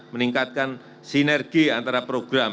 meningkatkan sinergi antara program